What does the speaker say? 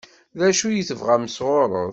D acu i tebɣam sɣur-s?